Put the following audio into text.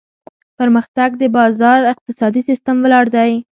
پرمختګ د بازار اقتصادي سیستم ولاړ دی.